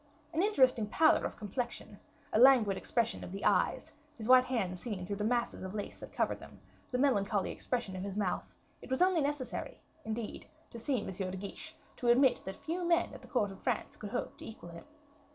An interesting pallor of complexion, a languid expression of the eyes, his white hands seen through the masses of lace that covered them, the melancholy expression of his mouth it was only necessary, indeed, to see M. de Guiche to admit that few men at the court of France could hope to equal him.